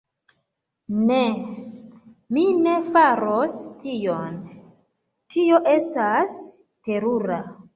Ne. Mi ne faros tion. Tio estas terura.